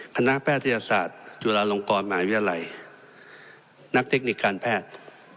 คณะแพทยาศาสตร์จุฬาลองค์กรหมายเวียไลน์นักเทคนิคการแพทย์